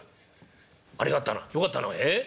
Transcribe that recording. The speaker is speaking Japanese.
ありがったなよかったなええ？